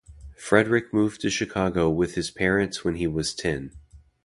Frederic moved to Chicago with his parents when he was ten.